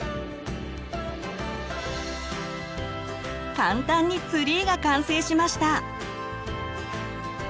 簡単にツリーが完成しました！